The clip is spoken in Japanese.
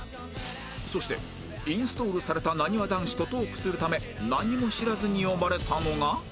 そしてインストールされたなにわ男子とトークするため何も知らずに呼ばれたのが